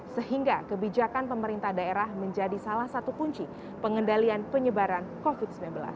sehingga kebijakan pemerintah daerah menjadi salah satu kunci pengendalian penyebaran covid sembilan belas